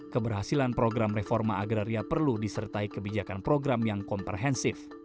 keberhasilan program reforma agraria perlu disertai kebijakan program yang komprehensif